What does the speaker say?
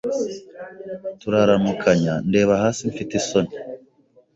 Turaramukanya ndeba hasi mfite isoni